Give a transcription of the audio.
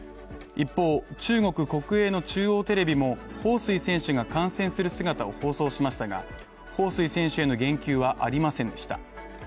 一方、中国国営の中央テレビも彭帥選手が観戦する姿を放送しましたが、彭帥選手への言及はありませんでした。